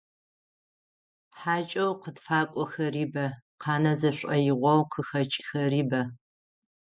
Хьакӏэу къытфакӏохэри бэ, къанэ зышӏоигъоу къыхэкӏхэри бэ.